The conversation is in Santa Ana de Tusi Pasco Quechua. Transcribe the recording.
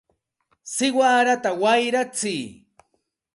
¡siwarata wayratsiy!